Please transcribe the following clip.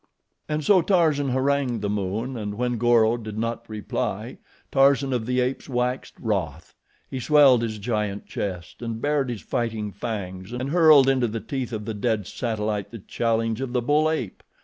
And so Tarzan harangued the moon, and when Goro did not reply, Tarzan of the Apes waxed wroth. He swelled his giant chest and bared his fighting fangs, and hurled into the teeth of the dead satellite the challenge of the bull ape.